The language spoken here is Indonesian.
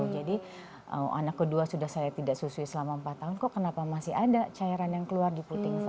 jadi anak kedua sudah saya tidak susui selama empat tahun kok kenapa masih ada cairan yang keluar di puting saya